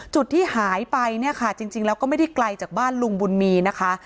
จุดที่หายไปเนี่ยค่ะจริงแล้วก็ไม่ได้ไกลจากบ้านลุงบุญมีนะคะ